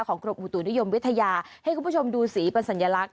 กรมอุตุนิยมวิทยาให้คุณผู้ชมดูสีเป็นสัญลักษณ